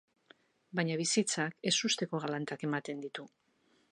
Baina bizitzak ezusteko galantak ematen ditu.